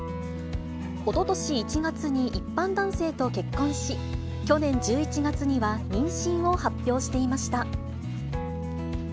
おととし１月に一般男性と結婚し、去年１１月には妊娠を発表していました。